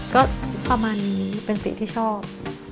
ก็ประมาณนี้เป็นสิ่งที่ชอบ